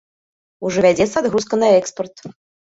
Ужо вядзецца адгрузка на экспарт.